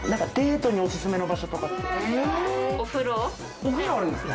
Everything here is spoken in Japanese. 何かお風呂あるんですか。